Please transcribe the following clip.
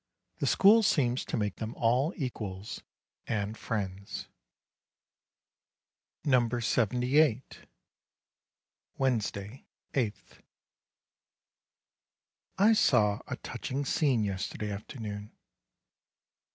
The school seems to make them all equals and friends. NUMBER 78 Wednesday, 8th. I saw a touching scene yesterday afternoon.